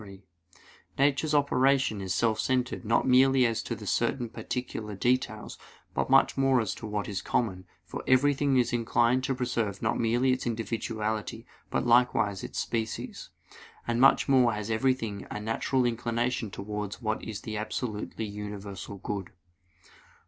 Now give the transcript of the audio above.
3: Nature's operation is self centered not merely as to certain particular details, but much more as to what is common; for everything is inclined to preserve not merely its individuality, but likewise its species. And much more has everything a natural inclination towards what is the absolutely universal good.